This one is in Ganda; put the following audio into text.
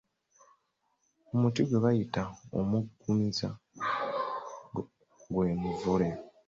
Omuti gwe bayita omuggumiza gwe Muvule.